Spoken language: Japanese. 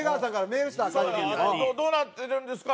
「どうなってるんですか？